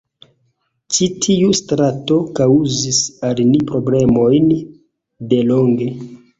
Ĉi tiu strato kaŭzis al ni problemojn delonge.